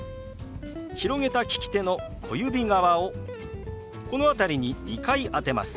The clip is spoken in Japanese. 広げた利き手の小指側をこの辺りに２回当てます。